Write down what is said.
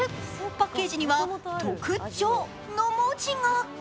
パッケージには「特上」の文字が！